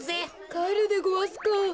かえるでごわすか。